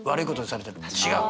違う。